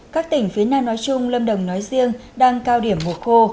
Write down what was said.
các tỉnh phía nam nói chung lâm đồng nói riêng đang cao điểm mùa khô